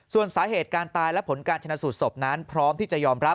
ส่วนสาเหตุการตายและผลการชนะสูตรศพนั้นพร้อมที่จะยอมรับ